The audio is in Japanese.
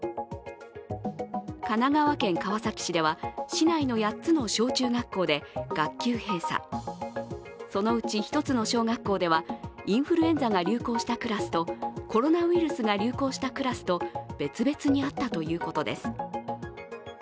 神奈川県川崎市では市内の８つの小中学校で学級閉鎖、そのうち１つの小学校ではインフルエンザが流行したクラスとコロナウイルスが流行したクラスと別々にあったということです。